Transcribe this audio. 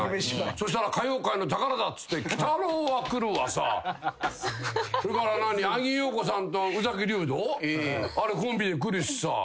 そしたら「歌謡界の宝だ」っつって喜多郎は来るわさそれから阿木燿子さんと宇崎竜童あれコンビで来るしさ。